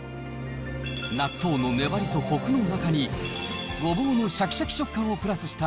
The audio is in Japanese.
納豆の粘りとこくの中に、ごぼうのしゃきしゃき食感をプラスした、